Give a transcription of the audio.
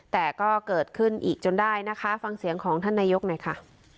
แต่ก็เกิดขึ้นอีกจนได้นะคะฟังเสียงของท่านนายกหน่อยค่ะ